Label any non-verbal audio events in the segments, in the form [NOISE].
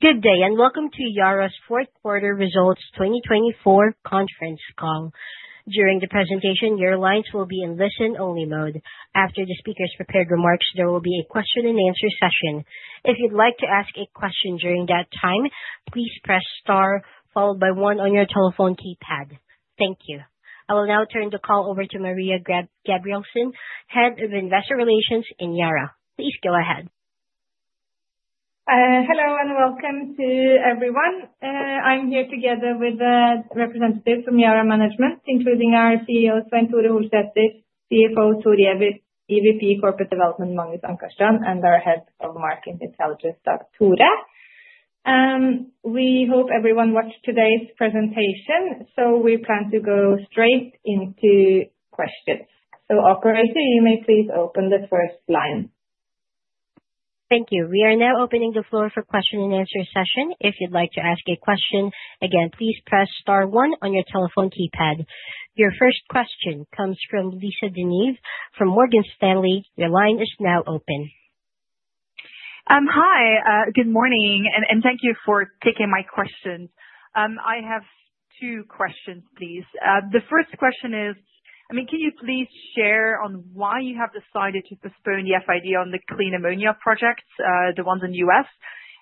Good day, and welcome to Yara's fourth quarter results 2024 conference call. During the presentation, your lines will be in listen-only mode. After the speaker's prepared remarks, there will be a question-and-answer session. If you'd like to ask a question during that time, please press star followed by one on your telephone keypad. Thank you. I will now turn the call over to Maria Gabrielsen, Head of Investor Relations in Yara. Please go ahead. Hello and welcome to everyone. I'm here together with the representatives from Yara management, including our CEO, Svein Tore Holsether, CFO, Thor Giæver, EVP, Corporate Development, Magnus Ankarstrand, and our Head of Market Intelligence, Dag Tore Mo. We hope everyone watched today's presentation, so we plan to go straight into questions, so Operator, you may please open the first line. Thank you. We are now opening the floor for question-and-answer session. If you'd like to ask a question, again, please press star one on your telephone keypad. Your first question comes from Lisa De Neve from Morgan Stanley. Your line is now open. Hi, good morning, and thank you for taking my questions. I have two questions, please. The first question is, I mean, can you please share on why you have decided to postpone the FID on the clean ammonia projects, the ones in the U.S.?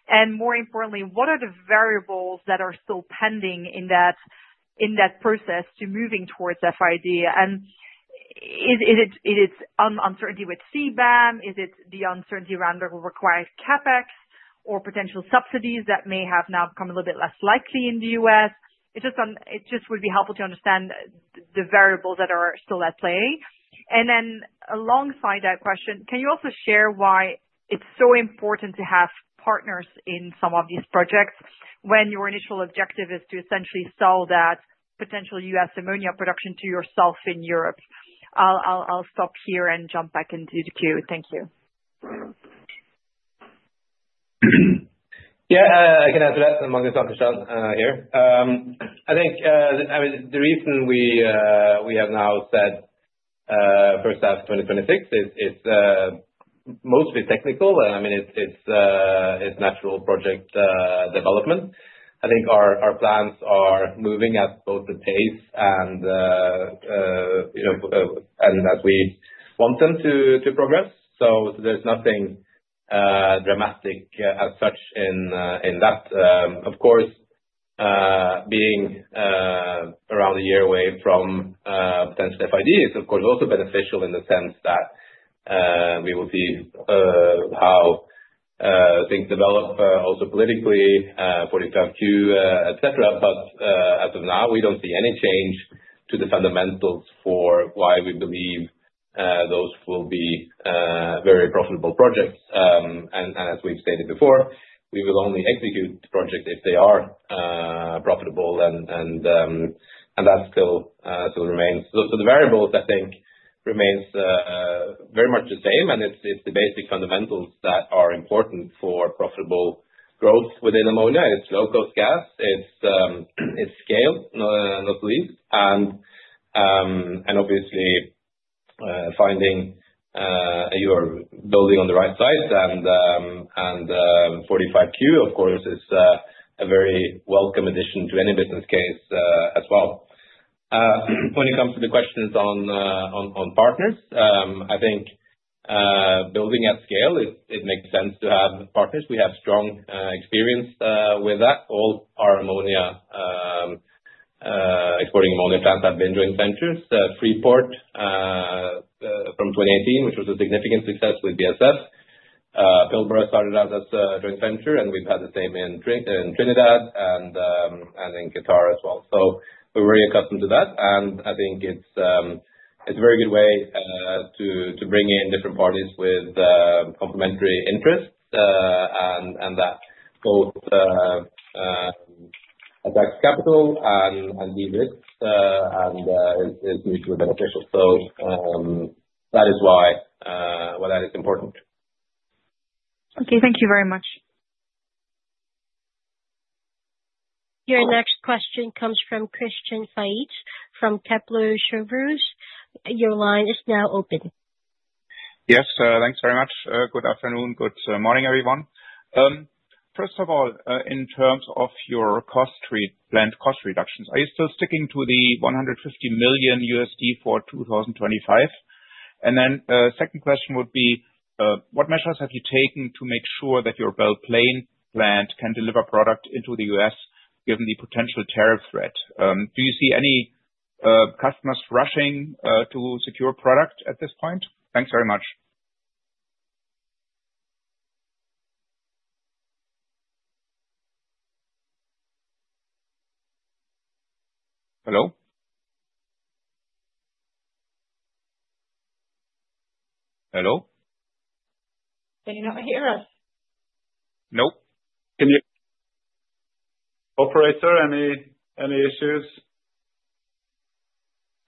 And more importantly, what are the variables that are still pending in that process to moving towards FID? And is it uncertainty with CBAM? Is it the uncertainty around the required CapEx or potential subsidies that may have now become a little bit less likely in the U.S.? It just would be helpful to understand the variables that are still at play. And then alongside that question, can you also share why it's so important to have partners in some of these projects when your initial objective is to essentially sell that potential U.S. ammonia production to yourself in Europe? I'll stop here and jump back into the queue. Thank you. Yeah, I can answer that. I'm Magnus Ankarstrand here. I think the reason we have now said first half 2026 is mostly technical. I mean, it's natural project development. I think our plans are moving at both the pace and as we want them to progress. So there's nothing dramatic as such in that. Of course, being around a year away from potential FID is, of course, also beneficial in the sense that we will see how things develop also politically, 45Q, etc. But as of now, we don't see any change to the fundamentals for why we believe those will be very profitable projects, and as we've stated before, we will only execute the project if they are profitable, and that still remains. So the variables, I think, remain very much the same, and it's the basic fundamentals that are important for profitable growth within ammonia. It's low-cost gas. It's scale, not least. And obviously, finding your building on the right side and 45Q, of course, is a very welcome addition to any business case as well. When it comes to the questions on partners, I think building at scale, it makes sense to have partners. We have strong experience with that. All our ammonia exporting ammonia plants have been joint ventures. Freeport from 2018, which was a significant success with BASF. Pilbara started out as a joint venture, and we've had the same in Trinidad and in Qatar as well. So we're very accustomed to that. And I think it's a very good way to bring in different parties with complementary interests and that both attracts capital and de-risks and is mutually beneficial. So that is why that is important. Okay, thank you very much. Your next question comes from Christian Faitz from Kepler Cheuvreux. Your line is now open. Yes, thanks very much. Good afternoon, good morning, everyone. First of all, in terms of your cost reductions, are you still sticking to the $150 million for 2025? And then the second question would be, what measures have you taken to make sure that your Belle Plaine plant can deliver product into the U.S. given the potential tariff threat? Do you see any customers rushing to secure product at this point? Thanks very much. Hello? Hello? Can you not hear us? Nope. Can you? Operator, any issues?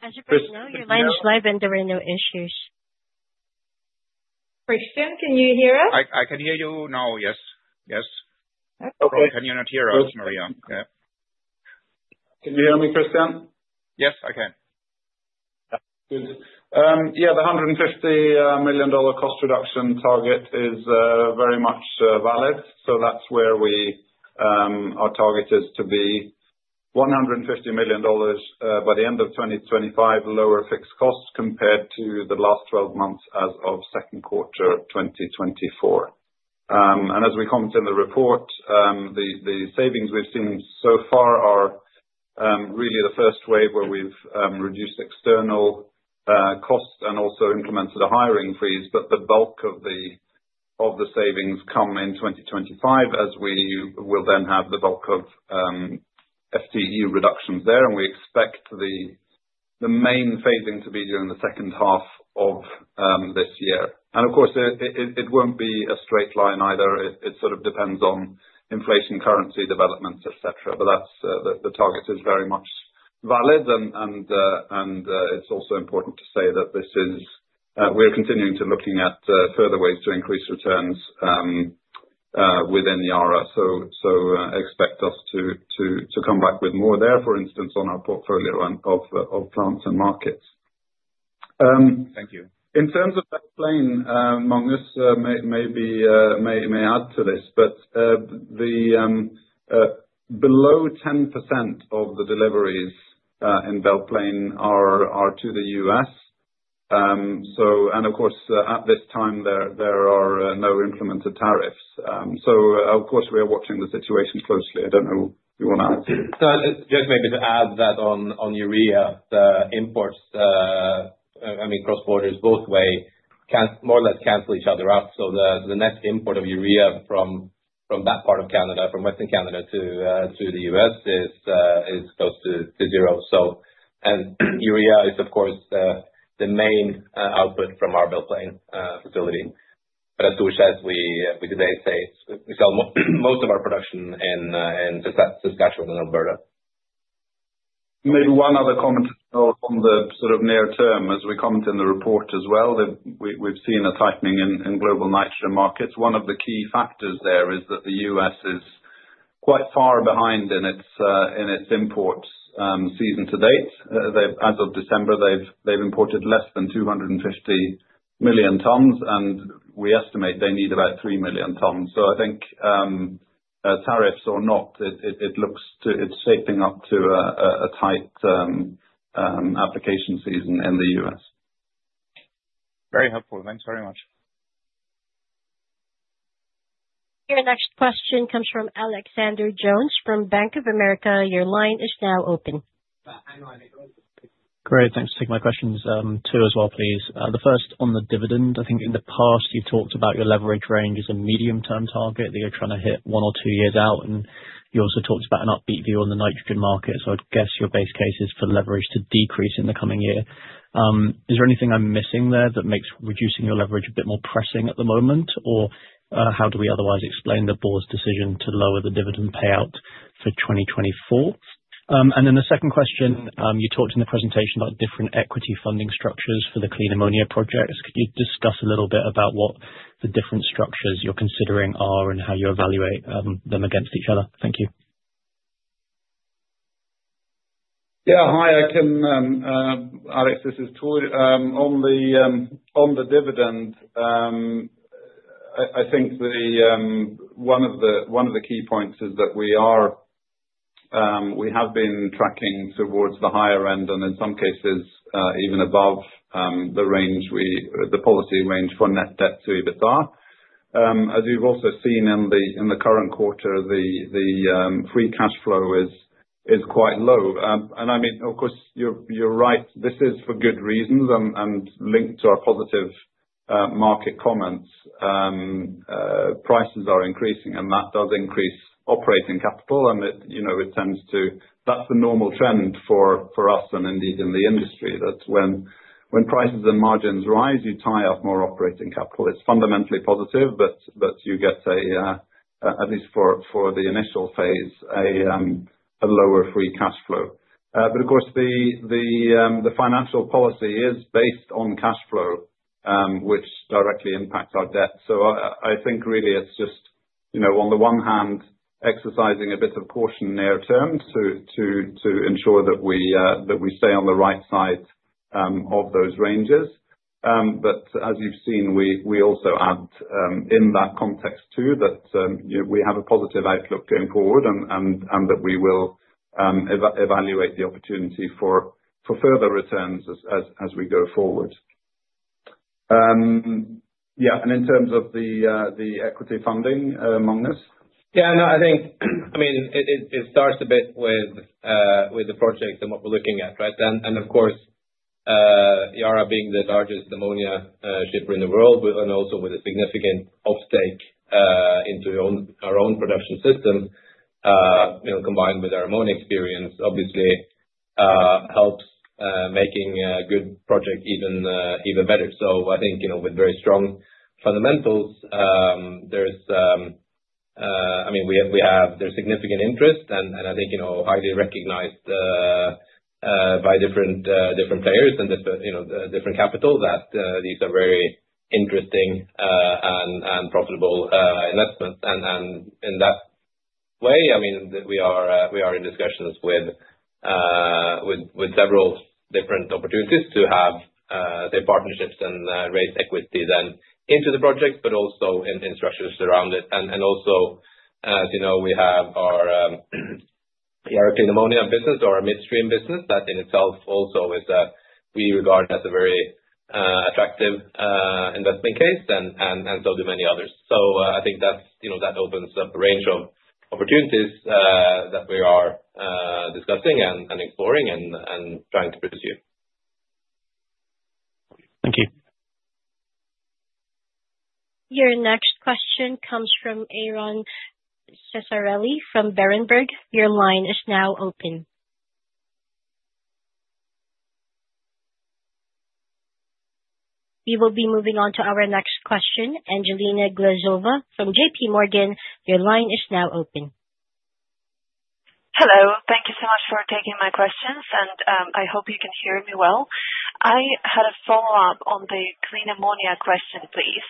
As you can see, your line is live and there are no issues. Christian, can you hear us? I can hear you now, yes. Yes. Okay. Can you not hear us, Maria? Yeah. Can you hear me, Christian? Yes, I can. Good. Yeah, the $150 million cost reduction target is very much valid. So that's where our target is to be $150 million by the end of 2025, lower fixed costs compared to the last 12 months as of second quarter 2024. And as we comment in the report, the savings we've seen so far are really the first wave where we've reduced external costs and also implemented a hiring freeze. But the bulk of the savings come in 2025, as we will then have the bulk of FTE reductions there. And we expect the main phasing to be during the second half of this year. And of course, it won't be a straight line either. It sort of depends on inflation, currency developments, etc. But the target is very much valid. And it's also important to say that we're continuing to look at further ways to increase returns within Yara. So expect us to come back with more there, for instance, on our portfolio of plants and markets. Thank you. In terms of Belle Plaine, Magnus may add to this, but below 10% of the deliveries in Belle Plaine are to the U.S. And of course, at this time, there are no implemented tariffs. So of course, we are watching the situation closely. I don't know if you want to add. Just maybe to add that on urea, the imports, I mean, cross-border both ways, more or less cancel each other out. So the net import of urea from that part of Canada, from Western Canada to the U.S., is close to zero. And urea is, of course, the main output from our Belle Plaine facility. But as we just said, we sell most of our production in Saskatchewan and Alberta. Maybe one other comment on the sort of near-term as we comment in the report as well. We've seen a tightening in global nitrogen markets. One of the key factors there is that the U.S. is quite far behind in its import season to date. As of December, they've imported less than 250 million tons, and we estimate they need about three million tons. So I think tariffs or not, it's shaping up to a tight application season in the U.S. Very helpful. Thanks very much. Your next question comes from Alexander Jones from Bank of America. Your line is now open. Great. Thanks for taking my questions too as well, please. The first on the dividend, I think in the past you talked about your leverage range as a medium-term target that you're trying to hit one or two years out. And you also talked about an upbeat view on the nitrogen market. So I guess your base case is for leverage to decrease in the coming year. Is there anything I'm missing there that makes reducing your leverage a bit more pressing at the moment? Or how do we otherwise explain the board's decision to lower the dividend payout for 2024? And then the second question, you talked in the presentation about different equity funding structures for the clean ammonia projects. Could you discuss a little bit about what the different structures you're considering are and how you evaluate them against each other? Thank you. Yeah, hi. Alex, this is Thor. On the dividend, I think one of the key points is that we have been tracking towards the higher end and in some cases even above the policy range for net debt to EBITDA. As you've also seen in the current quarter, the free cash flow is quite low. And I mean, of course, you're right. This is for good reasons and linked to our positive market comments. Prices are increasing, and that does increase operating capital. And it tends to. That's the normal trend for us and indeed in the industry, that when prices and margins rise, you tie up more operating capital. It's fundamentally positive, but you get, at least for the initial phase, a lower free cash flow. But of course, the financial policy is based on cash flow, which directly impacts our debt. So I think really it's just, on the one hand, exercising a bit of caution near-term to ensure that we stay on the right side of those ranges. But as you've seen, we also add in that context too that we have a positive outlook going forward and that we will evaluate the opportunity for further returns as we go forward. Yeah, and in terms of the equity funding, Magnus? Yeah, no, I think, I mean, it starts a bit with the project and what we're looking at, right? And of course, Yara being the largest ammonia shipper in the world and also with a significant offtake into our own production system, combined with our ammonia experience, obviously helps making a good project even better. So I think with very strong fundamentals, there's, I mean, we have, there's significant interest, and I think highly recognized by different players and different capital that these are very interesting and profitable investments. And in that way, I mean, we are in discussions with several different opportunities to have the partnerships and raise equity then into the project, but also in structures around it. Also, as you know, we have our Yara Clean Ammonia business, our midstream business that in itself also is, we regard as a very attractive investment case, and so do many others, so I think that opens up a range of opportunities that we are discussing and exploring and trying to pursue. Thank you. Your next question comes from Aron Ceccarelli from Berenberg. Your line is now open. We will be moving on to our next question. Angelina Glazova from JPMorgan. Your line is now open. Hello. Thank you so much for taking my questions, and I hope you can hear me well. I had a follow-up on the clean ammonia question, please.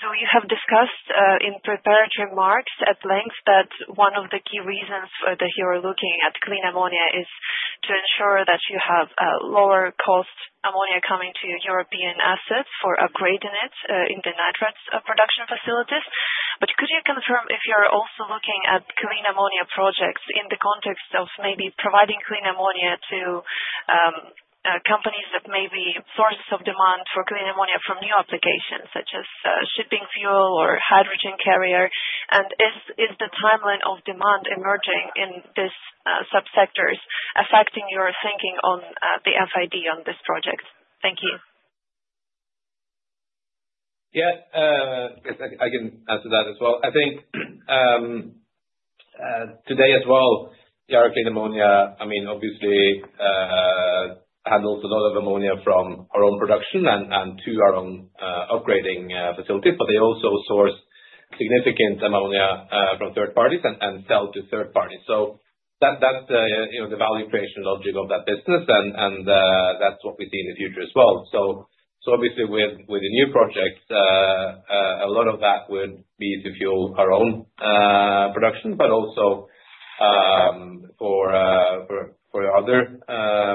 So you have discussed in preparatory remarks at length that one of the key reasons that you are looking at clean ammonia is to ensure that you have lower-cost ammonia coming to European assets for upgrading it in the nitrates production facilities. But could you confirm if you're also looking at clean ammonia projects in the context of maybe providing clean ammonia to companies that may be sources of demand for clean ammonia from new applications such as shipping fuel or hydrogen carrier? And is the timeline of demand emerging in these subsectors affecting your thinking on the FID on this project? Thank you. Yeah, I can answer that as well. I think today as well, Yara Clean Ammonia, I mean, obviously handles a lot of ammonia from our own production and to our own upgrading facilities, but they also source significant ammonia from third parties and sell to third parties, so that's the value creation logic of that business, and that's what we see in the future as well, so obviously, with the new projects, a lot of that would be to fuel our own production, but also for other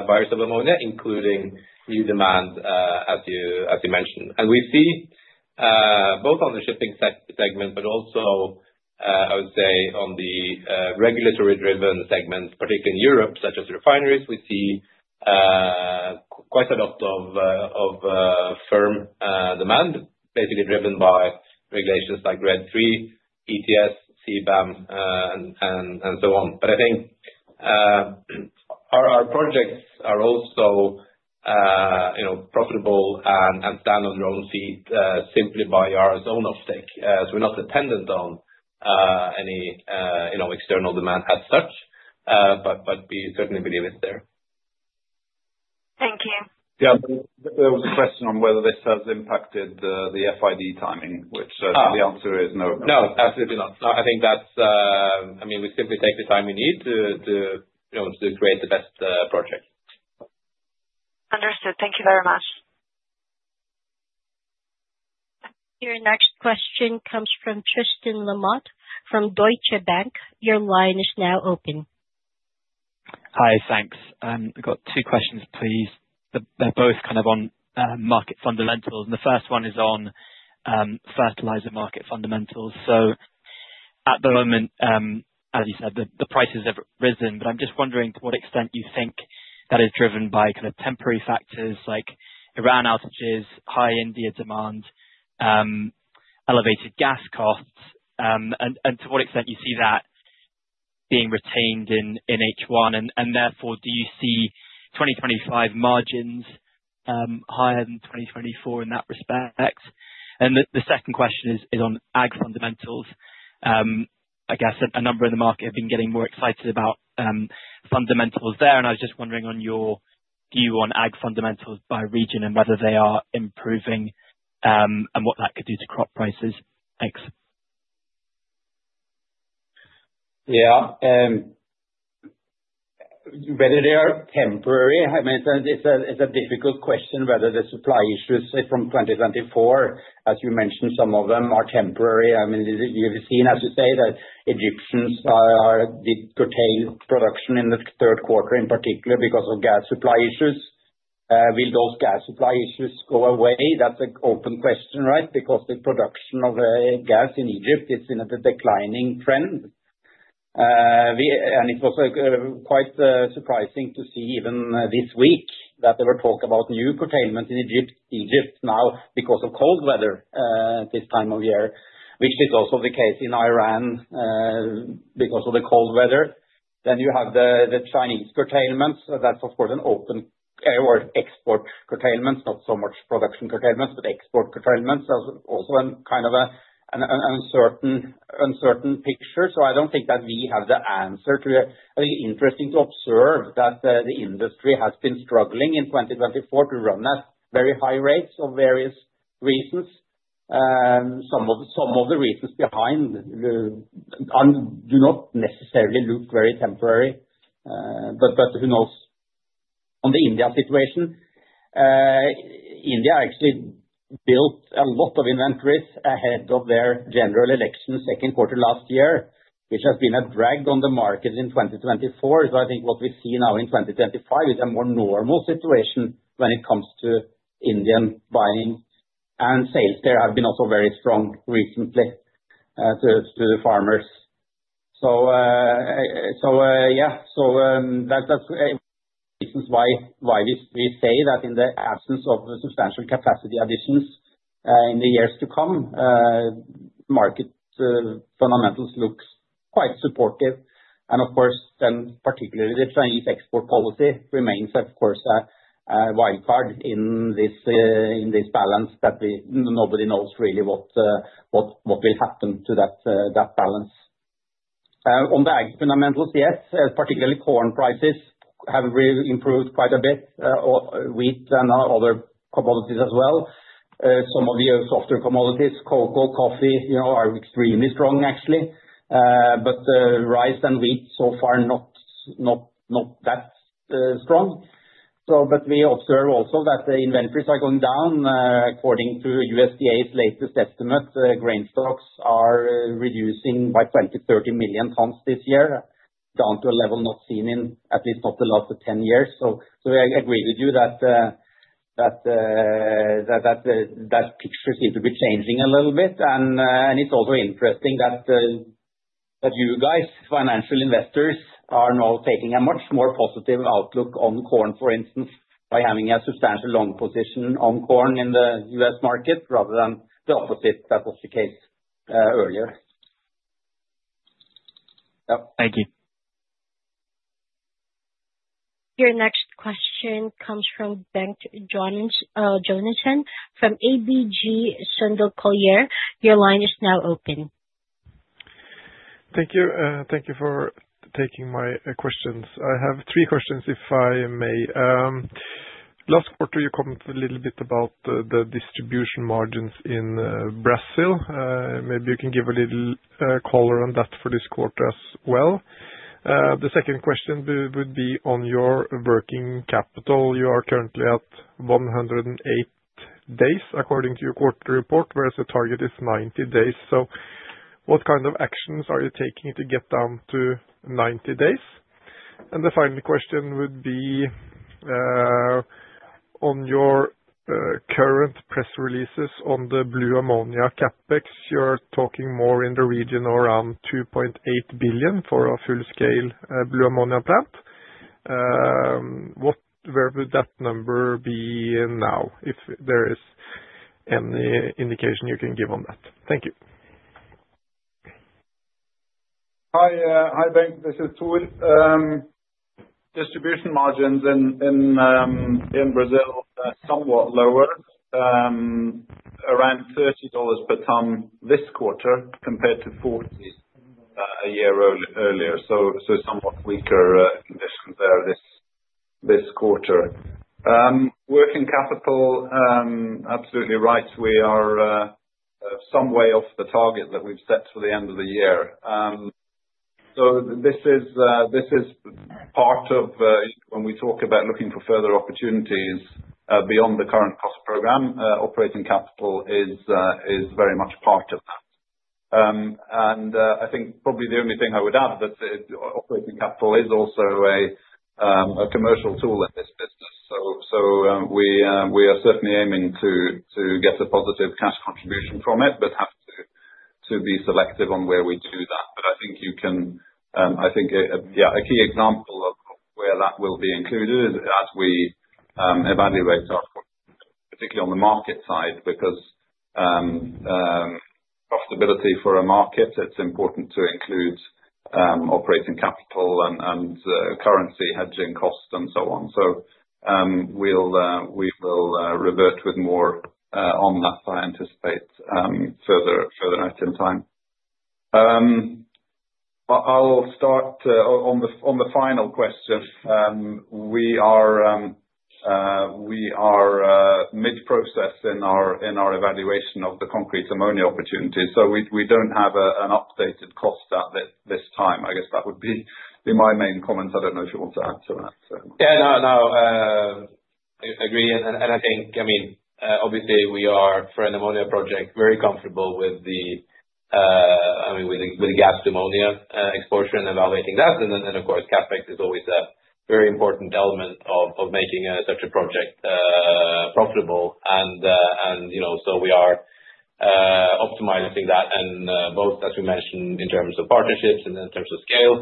buyers of ammonia, including new demand, as you mentioned, and we see both on the shipping segment, but also, I would say, on the regulatory-driven segment, particularly in Europe, such as refineries, we see quite a lot of firm demand, basically driven by regulations like RED III, ETS, CBAM, and so on. But I think our projects are also profitable and stand on their own feet simply by our own offtake. So we're not dependent on any external demand as such, but we certainly believe it's there. Thank you. Yeah, there was a question on whether this has impacted the FID timing, which the answer is no. No, absolutely not. I think that's, I mean, we simply take the time we need to create the best project. Understood. Thank you very much. Your next question comes from Tristan Lamotte from Deutsche Bank. Your line is now open. Hi, thanks. I've got two questions, please. They're both kind of on market fundamentals. And the first one is on fertilizer market fundamentals. So at the moment, as you said, the prices have risen, but I'm just wondering to what extent you think that is driven by kind of temporary factors like Iran outages, high India demand, elevated gas costs, and to what extent you see that being retained in H1. And therefore, do you see 2025 margins higher than 2024 in that respect? And the second question is on ag fundamentals. I guess a number in the market have been getting more excited about fundamentals there. And I was just wondering on your view on ag fundamentals by region and whether they are improving and what that could do to crop prices. Thanks. Yeah. Whether they are temporary, I mean, it's a difficult question whether the supply issues from 2024, as you mentioned, some of them are temporary. I mean, you've seen, as you say, that Egyptians did curtail production in the third quarter in particular because of gas supply issues. Will those gas supply issues go away? That's an open question, right? Because the production of gas in Egypt, it's in a declining trend. And it was quite surprising to see even this week that there were talks about new curtailments in Egypt now because of cold weather this time of year, which is also the case in Iran because of the cold weather. Then you have the Chinese curtailments. That's, of course, an open export curtailments, not so much production curtailments, but export curtailments. That's also kind of an uncertain picture. So I don't think that we have the answer to it. I think it's interesting to observe that the industry has been struggling in 2024 to run at very high rates for various reasons. Some of the reasons behind do not necessarily look very temporary, but who knows? On the India situation, India actually built a lot of inventories ahead of their general election second quarter last year, which has been a drag on the market in 2024. So I think what we see now in 2025 is a more normal situation when it comes to Indian buying. And sales there have been also very strong recently to the farmers. So yeah, so that's the reasons why we say that in the absence of substantial capacity additions in the years to come, market fundamentals look quite supportive. Of course, then particularly the Chinese export policy remains, of course, a wild card in this balance that nobody knows really what will happen to that balance. On the ag fundamentals, yes, particularly corn prices have improved quite a bit, wheat and other commodities as well. Some of the softer commodities, cocoa, coffee, are extremely strong actually. Rice and wheat so far not that strong. We observe also that the inventories are going down. According to USDA's latest estimate, grain stocks are reducing by 20-30 million tons this year, down to a level not seen in at least the last 10 years. I agree with you that that picture seems to be changing a little bit. It's also interesting that you guys, financial investors, are now taking a much more positive outlook on corn, for instance, by having a substantial long position on corn in the U.S. market rather than the opposite that was the case earlier. Yeah. Thank you. Your next question comes from Bengt Jonassen from ABG Sundal Collier. Your line is now open. Thank you. Thank you for taking my questions. I have three questions, if I may. Last quarter, you commented a little bit about the distribution margins in Brazil. Maybe you can give a little color on that for this quarter as well. The second question would be on your working capital. You are currently at 108 days according to your quarterly report, whereas the target is 90 days. So what kind of actions are you taking to get down to 90 days? And the final question would be on your current press releases on the blue ammonia CapEx. You're talking more in the region around 2.8 billion for a full-scale blue ammonia plant. What would that number be now, if there is any indication you can give on that? Thank you. Hi, Bengt. This is Thor. Distribution margins in Brazil are somewhat lower, around $30 per ton this quarter compared to $40 a year earlier. So somewhat weaker conditions there this quarter. Working capital, absolutely right. We are some way off the target that we've set for the end of the year. This is part of when we talk about looking for further opportunities beyond the current cost program. Working capital is very much part of that. I think probably the only thing I would add, but working capital is also a commercial tool in this business. We are certainly aiming to get a positive cash contribution from it, but have to be selective on where we do that. But I think you can. I think, yeah, a key example of where that will be included as we evaluate our quarter, particularly on the market side, because profitability for a market, it's important to include operating capital and currency hedging costs and so on. So we'll revert with more on that, I anticipate, further out in time. I'll start on the final question. We are mid-process in our evaluation of the clean ammonia opportunities. So we don't have an updated cost at this time. I guess that would be my main comment. I don't know if you want to answer that. Yeah, no, no. I agree. And I think, I mean, obviously, we are, for an ammonia project, very comfortable with the, I mean, with the gas ammonia exposure and evaluating that. And then, of course, CapEx is always a very important element of making such a project profitable. And so we are optimizing that, and both, as we mentioned, in terms of partnerships and in terms of scale,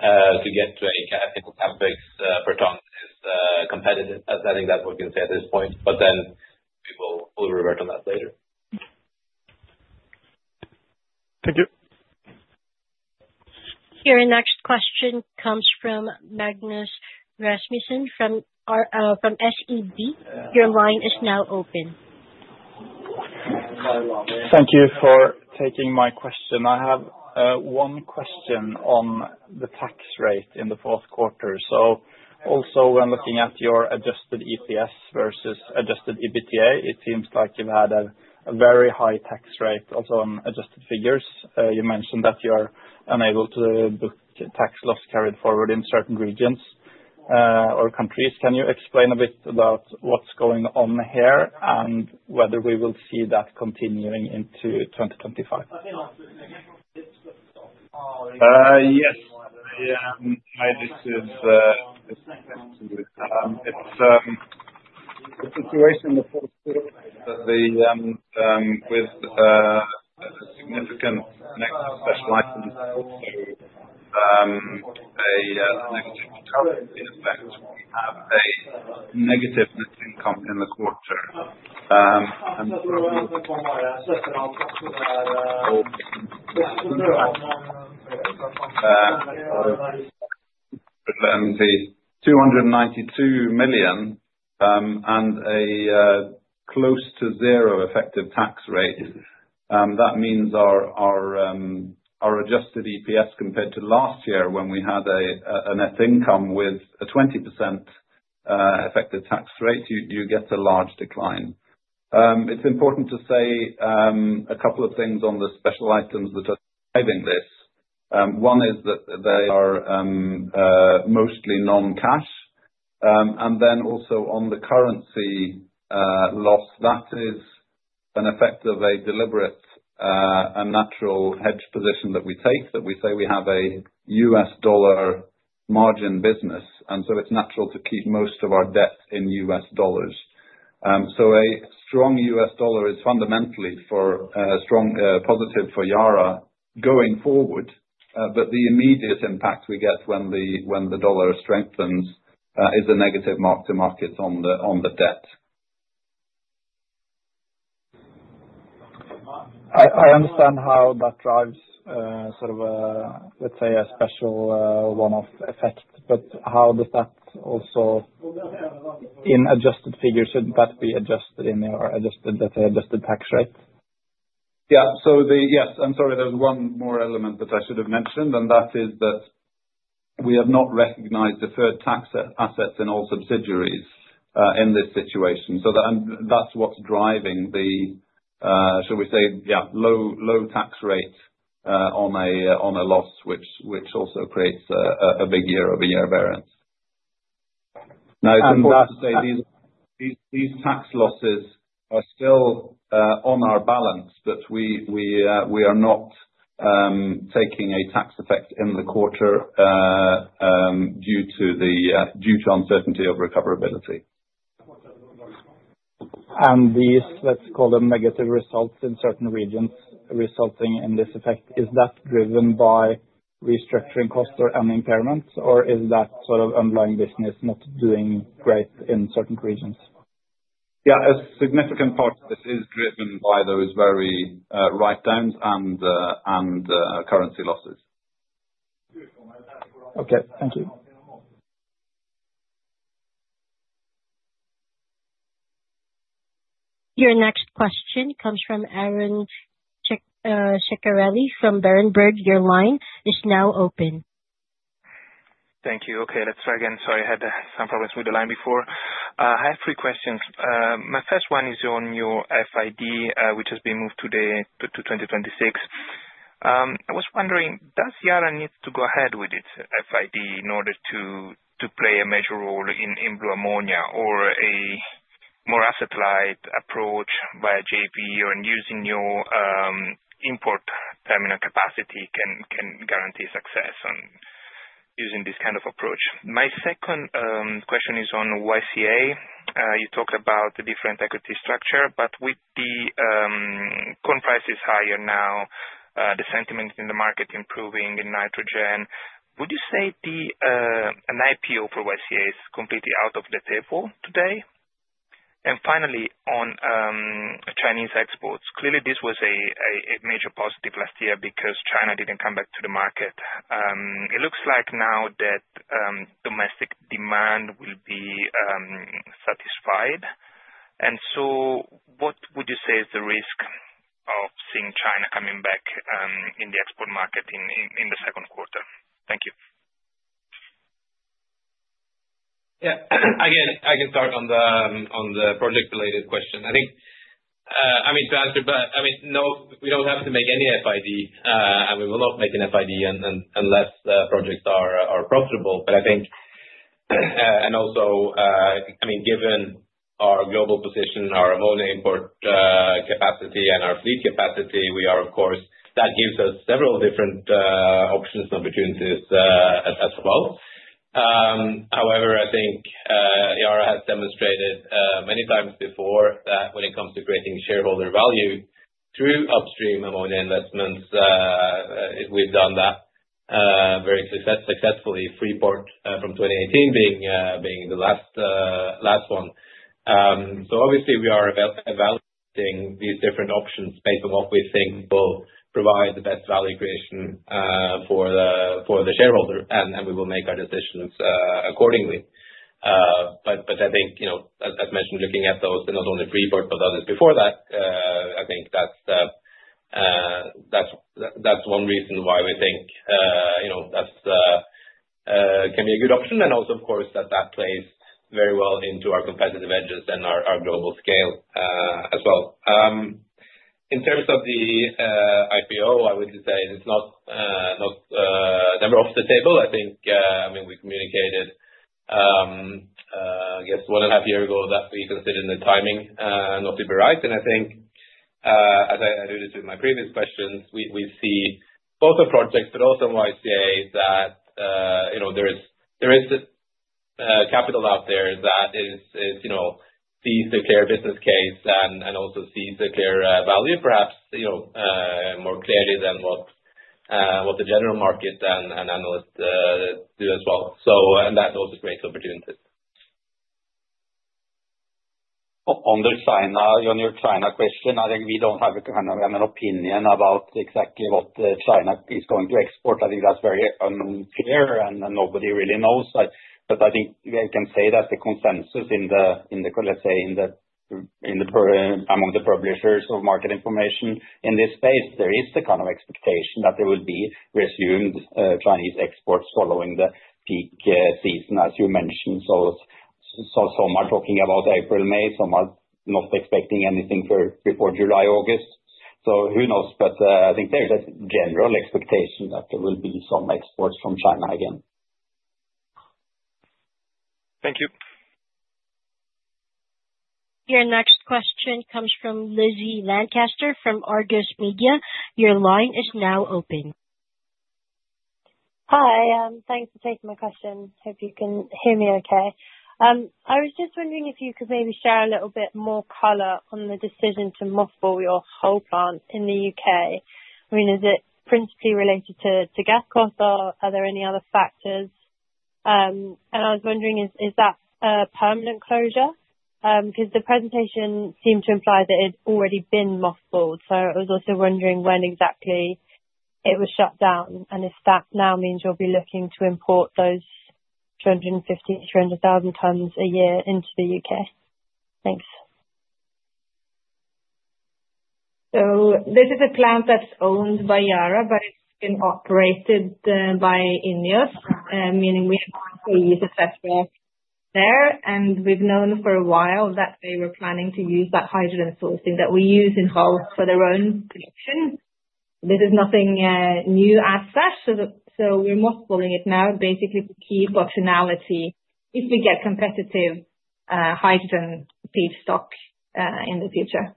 to get to a CapEx per ton is competitive. I think that's what we can say at this point, but then we will revert on that later. Thank you. Your next question comes from Magnus Rasmussen from SEB. Your line is now open. Thank you for taking my question. I have one question on the tax rate in the fourth quarter. So also, when looking at your adjusted EPS versus adjusted EBITDA, it seems like you've had a very high tax rate also on adjusted figures. You mentioned that you're unable to book tax loss carried forward in certain regions or countries. Can you explain a bit about what's going on here and whether we will see that continuing into 2025? Yes. The situation in the fourth quarter with significant special items and also a negative currency effect. We have a negative net income in the quarter, and [AUDIO DISTORTION] $292 million and a close to zero effective tax rate. That means our adjusted EPS compared to last year when we had a net income with a 20% effective tax rate; you get a large decline. It's important to say a couple of things on the special items that are driving this. One is that they are mostly non-cash. And then also on the currency loss, that is an effect of a deliberate and natural hedge position that we take, that we say we have a U.S. dollar margin business. And so it's natural to keep most of our debt in U.S. dollars. A strong U.S. dollar is fundamentally positive for Yara going forward, but the immediate impact we get when the dollar strengthens is a negative mark to market on the debt. I understand how that drives sort of, let's say, a special one-off effect, but how does that also in adjusted figures? Shouldn't that be adjusted in your, let's say, adjusted tax rate? Yeah. So yes, I'm sorry. There's one more element that I should have mentioned, and that is that we have not recognized deferred tax assets in all subsidiaries in this situation. So that's what's driving the, shall we say, yeah, low tax rate on a loss, which also creates a big year-over-year variance. Now, it's important to say these tax losses are still on our balance, but we are not taking a tax effect in the quarter due to uncertainty of recoverability. These, let's call them, negative results in certain regions resulting in this effect, is that driven by restructuring costs or an impairment, or is that sort of underlying business not doing great in certain regions? Yeah, a significant part of this is driven by those very write-downs and currency losses. Okay. Thank you. Your next question comes from Aron Ceccarelli from Berenberg. Your line is now open. Thank you. Okay. Let's try again. Sorry, I had some problems with the line before. I have three questions. My first one is on your FID, which has been moved today to 2026. I was wondering, does Yara need to go ahead with its FID in order to play a major role in blue ammonia or a more asset-light approach by JV or using your import terminal capacity can guarantee success on using this kind of approach? My second question is on YCA. You talked about the different equity structure, but with the corn prices higher now, the sentiment in the market improving in nitrogen, would you say an IPO for YCA is completely off the table today? And finally, on Chinese exports, clearly, this was a major positive last year because China didn't come back to the market. It looks like now that domestic demand will be satisfied. What would you say is the risk of seeing China coming back in the export market in the second quarter? Thank you. Yeah. I can start on the project-related question. I mean, to answer, but I mean, no, we don't have to make any FID, and we will not make an FID unless projects are profitable. But I think, and also, I mean, given our global position, our ammonia import capacity, and our fleet capacity, we are, of course, that gives us several different options and opportunities as well. However, I think Yara has demonstrated many times before that when it comes to creating shareholder value through upstream ammonia investments, we've done that very successfully, Freeport from 2018 being the last one. So obviously, we are evaluating these different options based on what we think will provide the best value creation for the shareholder, and we will make our decisions accordingly. But I think, as mentioned, looking at those, not only Freeport, but others before that, I think that's one reason why we think that can be a good option. And also, of course, that that plays very well into our competitive edges and our global scale as well. In terms of the IPO, I would say it's not never off the table. I think, I mean, we communicated, I guess, one and a half years ago that we consider the timing not to be right. And I think, as I alluded to in my previous questions, we see both in projects, but also in YCA, that there is capital out there that sees the clear business case and also sees the clear value, perhaps more clearly than what the general market and analysts do as well. And that's also a great opportunity. On the China question, I think we don't have kind of an opinion about exactly what China is going to export. I think that's very unclear, and nobody really knows. But I think we can say that the consensus in the, let's say, among the publishers of market information in this space, there is the kind of expectation that there will be resumed Chinese exports following the peak season, as you mentioned. So some are talking about April, May, some are not expecting anything before July, August. So who knows? But I think there's a general expectation that there will be some exports from China again. Thank you. Your next question comes from Lizzy Lancaster from Argus Media. Your line is now open. Hi. Thanks for taking my question. Hope you can hear me okay. I was just wondering if you could maybe share a little bit more color on the decision to mothball your Hull plant in the U.K.. I mean, is it principally related to gas costs, or are there any other factors? And I was wondering, is that a permanent closure? Because the presentation seemed to imply that it had already been mothballed. So I was also wondering when exactly it was shut down and if that now means you'll be looking to import those 250-300,000 tons a year into the U.K.. Thanks. So this is a plant that's owned by Yara, but it's been operated by INEOS, meaning we have employees etc. there. And we've known for a while that they were planning to use that hydrogen sourcing that we use in-house for their own production. This is nothing new as such. So we're mothballing it now basically to keep optionality if we get competitive hydrogen feedstock in the future.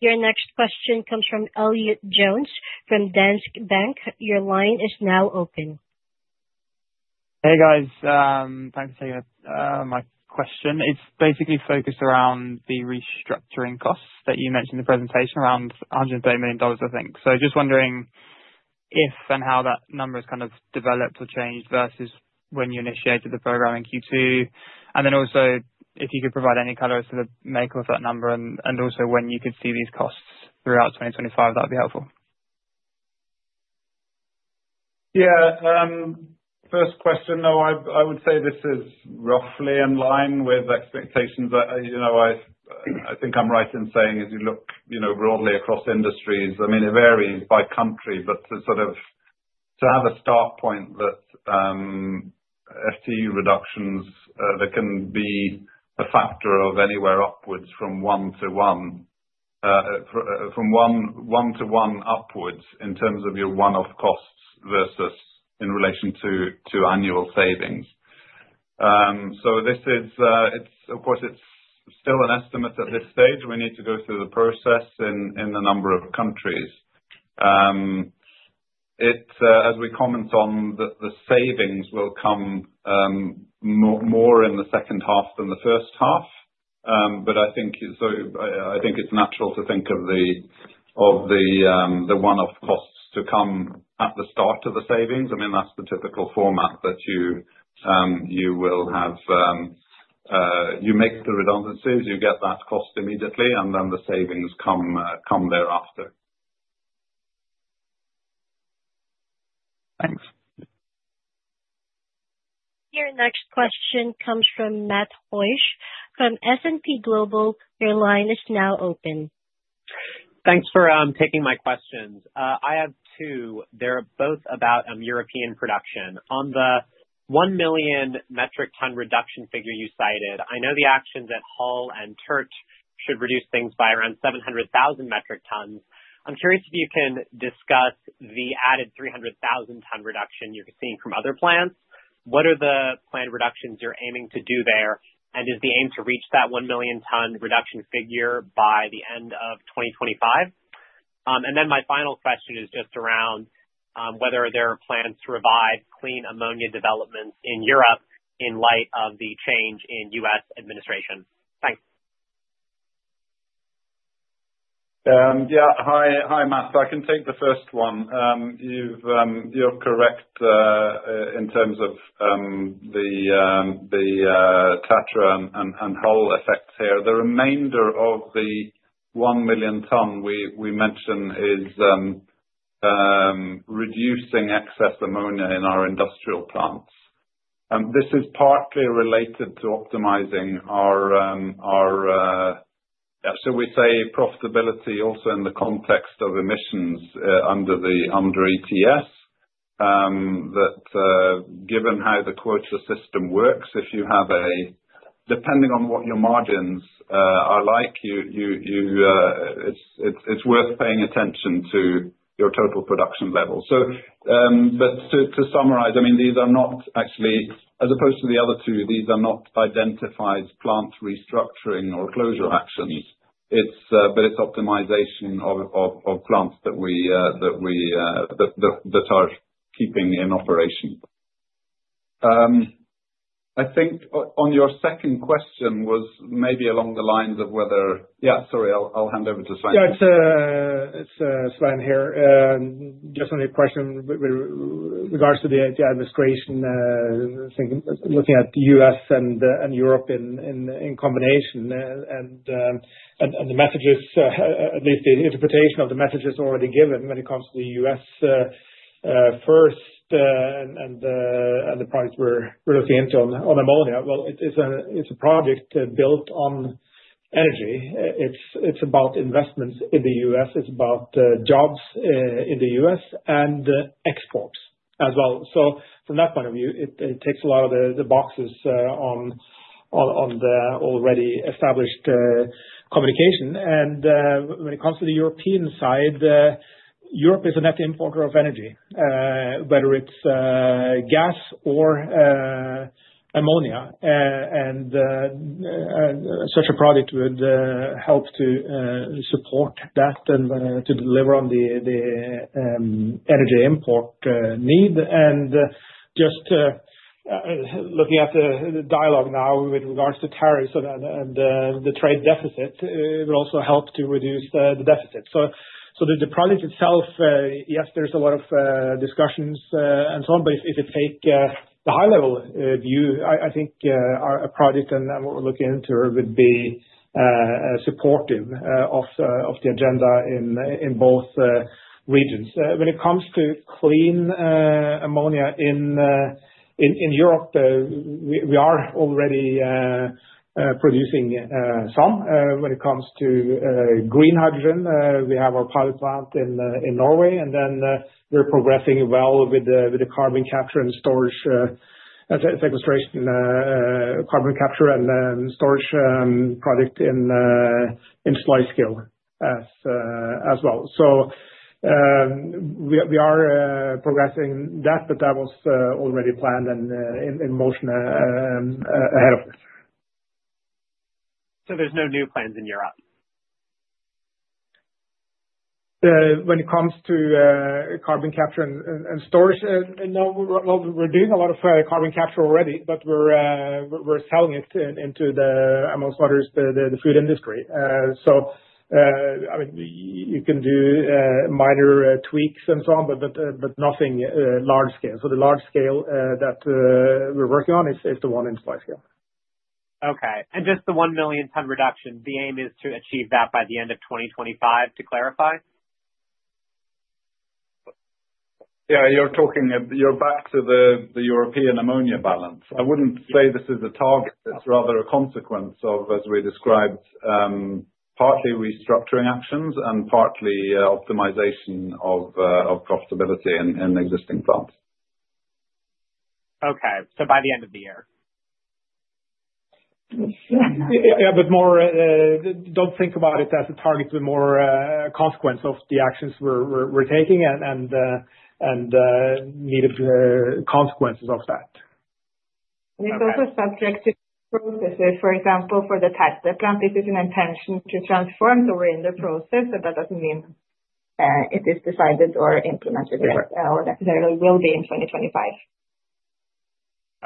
Your next question comes from Elliott Jones from Danske Bank. Your line is now open. Hey, guys. Thanks for taking my question. It's basically focused around the restructuring costs that you mentioned in the presentation around $130 million, I think. So just wondering if and how that number has kind of developed or changed versus when you initiated the program in Q2. And then also if you could provide any colors to the makeup of that number and also when you could see these costs throughout 2025, that would be helpful. Yeah. First question, though, I would say this is roughly in line with expectations. I think I'm right in saying as you look broadly across industries, I mean, it varies by country, but to sort of have a start point that FTE reductions, there can be a factor of anywhere upwards from one to one upwards in terms of your one-off costs versus in relation to annual savings. So of course, it's still an estimate at this stage. We need to go through the process in a number of countries. As we comment on the savings, will come more in the second half than the first half. But I think it's natural to think of the one-off costs to come at the start of the savings. I mean, that's the typical format that you will have. You make the redundancies, you get that cost immediately, and then the savings come thereafter. Thanks. Your next question comes from Matt Hoisch from S&P Global. Your line is now open. Thanks for taking my questions. I have two. They're both about European production. On the 1 million metric ton reduction figure you cited, I know the actions at Hull and Tertre should reduce things by around 700,000 metric tons. I'm curious if you can discuss the added 300,000 ton reduction you're seeing from other plants. What are the planned reductions you're aiming to do there? And is the aim to reach that 1 million ton reduction figure by the end of 2025? And then my final question is just around whether there are plans to revive clean ammonia developments in Europe in light of the change in U.S. administration. Thanks. Yeah. Hi, Matt. I can take the first one. You're correct in terms of the Tertre and Hull effects here. The remainder of the 1 million ton we mentioned is reducing excess ammonia in our industrial plants. And this is partly related to optimizing our, shall we say, profitability also in the context of emissions under ETS, that given how the quota system works, if you have, depending on what your margins are like, it's worth paying attention to your total production level. But to summarize, I mean, these are not actually, as opposed to the other two, these are not identified plant restructuring or closure actions, but it's optimization of plants that we are keeping in operation. I think on your second question was maybe along the lines of whether yeah, sorry, I'll hand over to Svein. Yeah, it's Svein here. Just a question with regards to the administration, looking at the U.S. and Europe in combination, and the messages, at least the interpretation of the messages already given when it comes to the U.S. first and the products we're looking into on ammonia. It's a project built on energy. It's about investments in the U.S. It's about jobs in the U.S. and exports as well. So from that point of view, it takes a lot of the boxes on the already established communication. And when it comes to the European side, Europe is a net importer of energy, whether it's gas or ammonia. And such a product would help to support that and to deliver on the energy import need. And just looking at the dialogue now with regards to tariffs and the trade deficit, it would also help to reduce the deficit. So the project itself, yes, there's a lot of discussions and so on, but if you take the high-level view, I think a project and what we're looking into would be supportive of the agenda in both regions. When it comes to clean ammonia in Europe, we are already producing some when it comes to green hydrogen. We have our pilot plant in Norway, and then we're progressing well with the carbon capture and storage sequestration, carbon capture and storage project in Sluiskil as well. So we are progressing that, but that was already planned and in motion ahead of us. There's no new plans in Europe? When it comes to carbon capture and storage, no. Well, we're doing a lot of carbon capture already, but we're selling it into the, amongst others, the food industry. So I mean, you can do minor tweaks and so on, but nothing large scale. So the large scale that we're working on is the one in Sluiskil. Okay. And just the one million ton reduction, the aim is to achieve that by the end of 2025, to clarify? Yeah. You're back to the European ammonia balance. I wouldn't say this is a target. It's rather a consequence of, as we described, partly restructuring actions and partly optimization of profitability in existing plants. Okay, so by the end of the year? Yeah, but don't think about it as a target, but more a consequence of the actions we're taking and needed consequences of that. It's also subject to processes. For example, for the Tertre plant, this is an intention to transform [during the] process, but that doesn't mean it is decided or implemented or necessarily will be in 2025.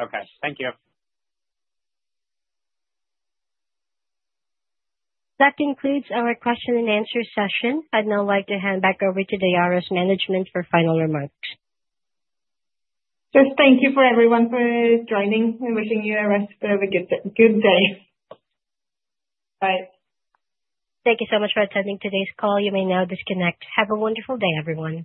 Okay. Thank you. That concludes our question and answer session. I'd now like to hand back over to Yara's management for final remarks. Just, thank you to everyone for joining. I'm wishing you a restful, good day. Bye. Thank you so much for attending today's call. You may now disconnect. Have a wonderful day, everyone.